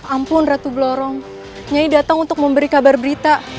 ampun ratu blorong nyai datang untuk memberi kabar berita